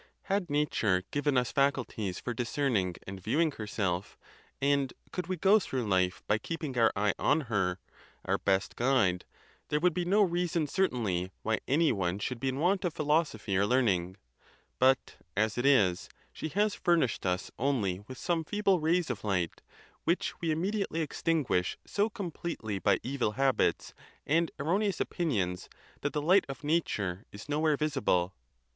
Had nature given us facul ties for discerning and viewing herself, and could we go through life by keeping our eye on her—our best guide— 92 THE TUSCULAN DISPUTATIONS. there would be no reason certainly why any one should be in want of philosophy or learning; but, as it is, she has furnished us only with some feeble rays of light, which we immediately extinguish so completely by evil habits and erroneous opinions that the light of nature is nowhere visible.